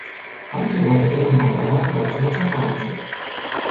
حال که والدین مردهاند بچهها چه خواهند شد؟